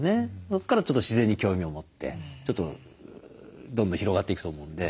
そこからちょっと自然に興味を持ってちょっとどんどん広がっていくと思うんで。